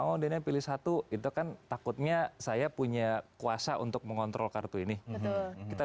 oh dana pilih satu itu kan takutnya saya punya kuasa untuk mengontrol kartu ini kita